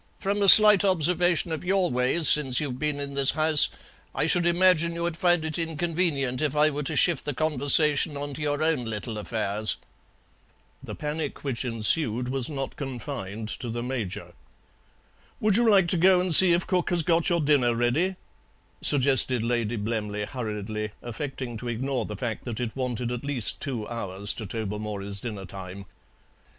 "From a slight observation of your ways since you've been in this house I should imagine you'd find it inconvenient if I were to shift the conversation on to your own little affairs." The panic which ensued was not confined to the Major. "Would you like to go and see if cook has got your dinner ready?" suggested Lady Blemley hurriedly, affecting to ignore the fact that it wanted at least two hours to Tobermory's dinner time.